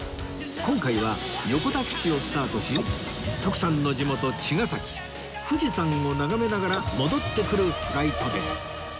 今回は横田基地をスタートし徳さんの地元茅ヶ崎富士山を眺めながら戻ってくるフライトです